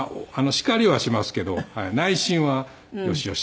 叱りはしますけど内心はよしよしって思って。